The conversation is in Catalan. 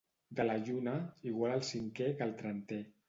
De la lluna, igual el cinquè que el trentè.